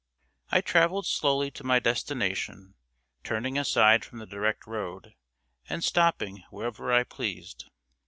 I traveled slowly to my destination, turning aside from the direct road, and stopping wherever I pleased.